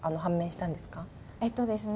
えっとですね